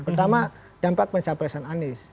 pertama dampak pencapresan anies